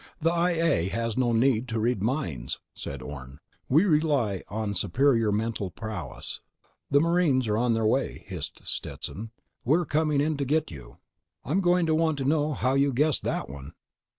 "The I A has no need to read minds," said Orne. "We rely on superior mental prowess." "The marines are on their way," hissed Stetson. _"We're coming in to get you. I'm going to want to know how you guessed that one."